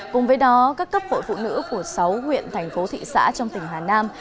cùng với đó các cấp hội phụ nữ của sáu huyện thành phố thị xã trong tỉnh hà nam